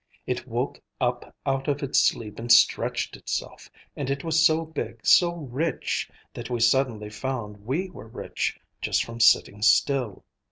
It woke up out of its sleep and stretched itself, and it was so big, so rich, that we suddenly found we were rich, just from sitting still.